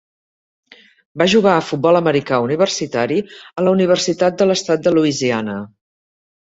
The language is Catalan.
Va jugar a futbol americà universitari a la Universitat de l'estat de Lousiana.